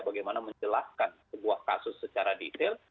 bagaimana menjelaskan sebuah kasus secara detail